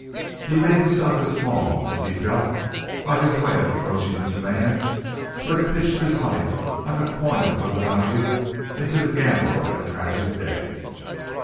He made himself as small as he felt by his way of approaching this man who had pitched his life like a coin of little value into the gamble of that tragic day.